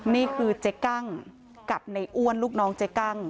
นี่คือเจ๊กั้งกับในอ้วนลูกน้องเจ๊กั้ง